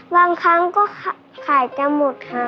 บางครั้งก็ขายจะหมดค่ะ